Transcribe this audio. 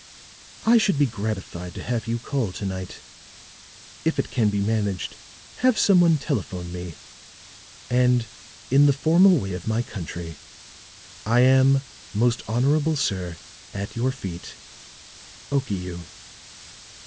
"I should be gratified to have you call to night. If it can be managed, have some one telephone me. And, in the formal way of my country, "I am, most honorable sir, at your feet, "OKIU."